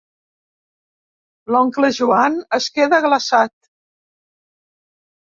L'oncle Joan es queda glaçat.